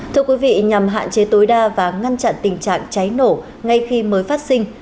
thưa quý vị nhằm hạn chế tối đa và ngăn chặn tình trạng cháy nổ ngay khi mới phát sinh